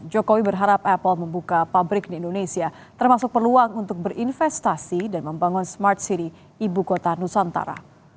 jokowi berharap apple membuka pabrik di indonesia termasuk peluang untuk berinvestasi dan membangun smart city ibu kota nusantara